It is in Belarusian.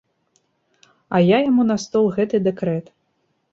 А я яму на стол гэты дэкрэт.